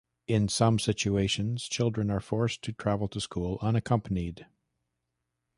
In some situations, children are forced to travel to school unaccompanied.